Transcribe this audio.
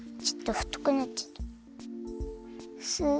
ちょっとふとくなっちゃった。